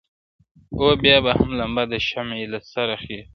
o بیا به هم لمبه د شمعي له سر خېژي,